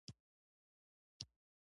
ـ زیارت نوماشومان له کومه کړل!